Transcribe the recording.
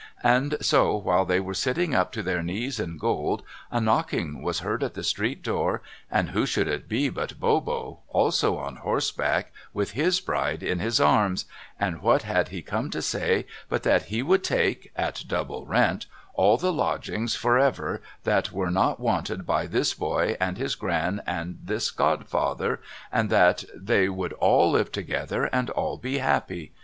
And so while they were sitting up to their knees in gold, a knocking was heard at the street door, and who should it be but liobbo, also on horseback with his bride in his arms, and what had he come to say but that he would take (at double rent) all the Lodgings for ever, that were not wanted by this boy and this Gran and this godfather, and that they would all live together, and all be happy